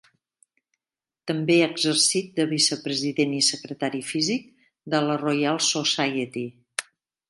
També ha exercit de vicepresident i secretari físic de la Royal Society.